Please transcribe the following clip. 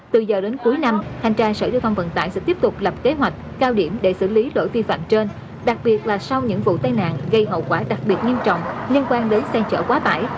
từ giờ đến cuối năm thanh tra sở giao thông vận tải sẽ tiếp tục lập kế hoạch cao điểm để xử lý lỗi vi phạm trên đặc biệt là sau những vụ tai nạn gây hậu quả đặc biệt nghiêm trọng liên quan đến xe chở quá tải